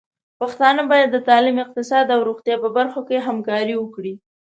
پښتانه بايد د تعليم، اقتصاد او روغتيا په برخو کې همکاري وکړي.